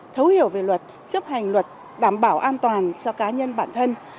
thấu hiểu về luật chấp hành luật đảm bảo an toàn cho cá nhân bản thân